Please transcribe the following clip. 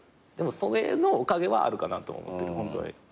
でもそれのおかげはあるかなと思ってるホントに。